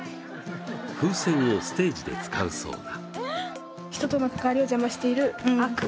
風船をステージで使うそうだ。